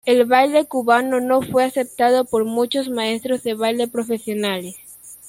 El baile cubano no fue aceptado por muchos maestros de baile profesionales.